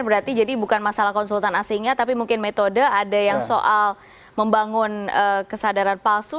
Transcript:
berarti jadi bukan masalah konsultan asingnya tapi mungkin metode ada yang soal membangun kesadaran palsu